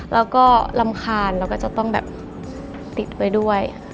แล้วก็รำคาญแล้วก็จะต้องแบบติดไว้ด้วย